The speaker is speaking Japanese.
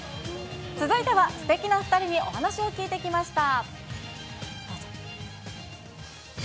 続いてはすてきなお２人にお話を聞いてきました。